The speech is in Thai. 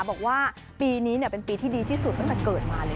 บอกว่าปีนี้เป็นปีที่ดีที่สุดตั้งแต่เกิดมาเลย